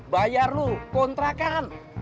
bayar lu kontrakan